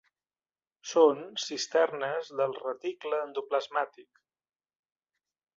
Són cisternes del reticle endoplasmàtic.